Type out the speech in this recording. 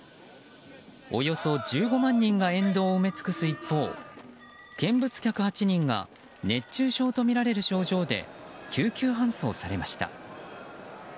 およそ１５万人が沿道を埋め尽くす一方見物客８人が熱中症とみられる症状で救急搬送されました。